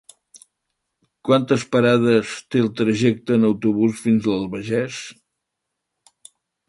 Quantes parades té el trajecte en autobús fins a l'Albagés?